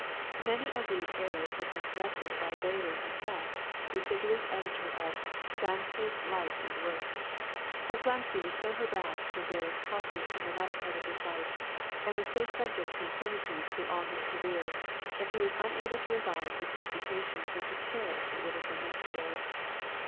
Many of these errors have been corrected by Baily himself, the assiduous editor of "Flamsteed's Life and Works," for Flamsteed was so harassed from various causes in the latter part of his life, and was so subject to infirmities all through his career, that he was unable to revise his computations with the care that would have been necessary.